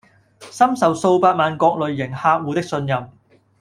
深受數百萬各類型客戶的信任